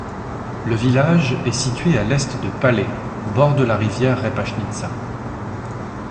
Le village est situé à l'est de Pale, au bord de la rivière Repašnica.